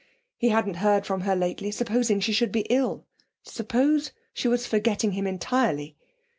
He hadn't heard from her lately. Suppose she should be ill? Suppose she was forgetting him entirely?